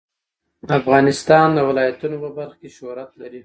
افغانستان د ولایتونو په برخه کې شهرت لري.